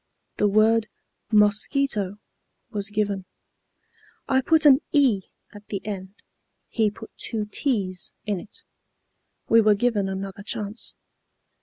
The word 'mosquito' was given. I put an 'e' at the end; he put two 't's' in it. We were given another chance.